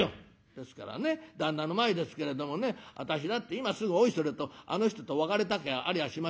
「ですからね旦那の前ですけれどもね私だって今すぐおいそれとあの人と別れたきゃありゃしませんよ。